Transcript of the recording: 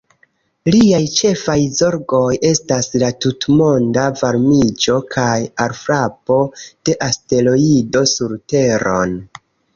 Liaj ĉefaj zorgoj estas la tutmonda varmiĝo kaj alfrapo de asteroido sur Teron.